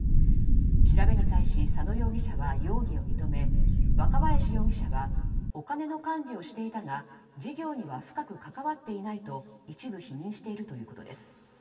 調べに対し佐野容疑者は容疑を認め、若林容疑者はお金の管理をしていたが事業には深く関わっていないと一部否認しているということです。